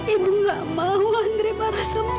ibu gak mau andre marah sama ibu